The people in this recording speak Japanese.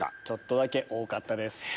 ちょっとだけ多かったです。